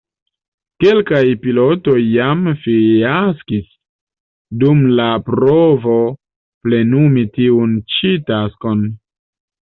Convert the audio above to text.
Kelkaj pilotoj jam fiaskis dum la provo plenumi tiun ĉi taskon.